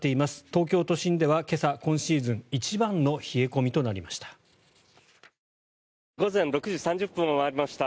東京都心では今朝今シーズン一番の冷え込みとなりました。